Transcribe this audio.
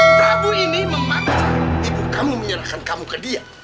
prabu ini memakan ibu kamu menyerahkan kamu ke dia